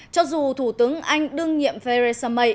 cho dù thủ tướng anh đương nhiệm theresa may